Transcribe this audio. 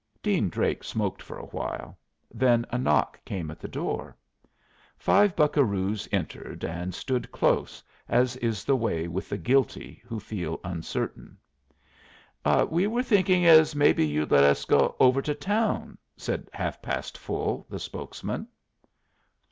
Dean Drake smoked for a while; then a knock came at the door. Five buccaroos entered and stood close, as is the way with the guilty who feel uncertain. "We were thinking as maybe you'd let us go over to town," said Half past Full, the spokesman.